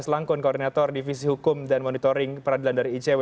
langkun koordinator divisi hukum dan monitoring peradilan dari icw